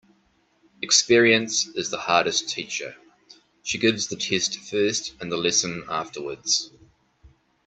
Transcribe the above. Experience is the hardest teacher. She gives the test first and the lesson afterwards.